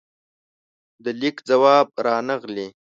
د لیک ځواب رانغلې